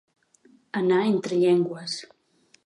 Anar entre llengües.